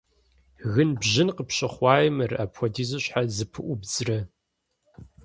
Гынбжьын къыпщыхъуаи мыр, апхуэдизу щхьэ зыпыӀубдзрэ?